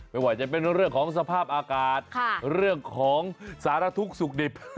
ไม่ว่าจะเป็นเรื่องของสภาพอากาศเรื่องของสารทุกข์สุขดิบ